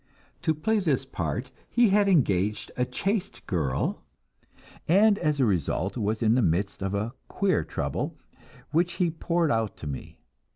To play this part he had engaged a chaste girl, and as a result was in the midst of a queer trouble, which he poured out to me.